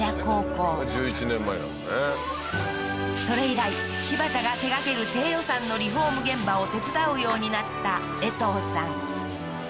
それ以来柴田が手がける低予算のリフォーム現場を手伝うようになったえとうさん